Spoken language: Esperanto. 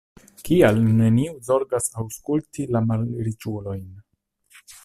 Kial neniu zorgas aŭskulti la malriĉulojn?